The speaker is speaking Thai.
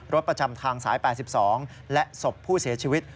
ประจำทางสาย๘๒และศพผู้เสียชีวิต